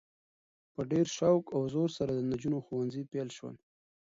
په ډیر شوق او زور سره د نجونو ښونځي پیل شول؛